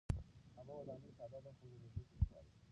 کعبه وداني ساده ده خو ځلېدونکې ښکاري.